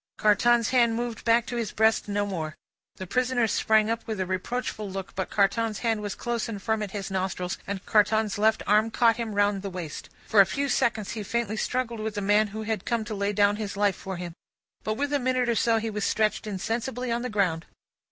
Carton's hand moved back to his breast no more. The prisoner sprang up with a reproachful look, but Carton's hand was close and firm at his nostrils, and Carton's left arm caught him round the waist. For a few seconds he faintly struggled with the man who had come to lay down his life for him; but, within a minute or so, he was stretched insensible on the ground.